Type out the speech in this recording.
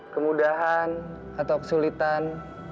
kemudahan atau kesulitan